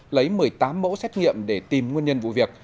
lấy một mươi tám mẫu xét nghiệm để tìm nguyên nhân vụ việc